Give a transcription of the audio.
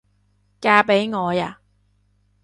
嫁畀我吖？